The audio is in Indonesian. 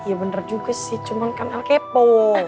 iya bener juga sih cuman kan alkepo